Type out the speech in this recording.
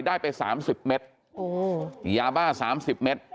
ได้ไปสามสิบเม็ดโอ้ยาบ้าสามสิบเม็ด